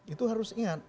itu harus ingat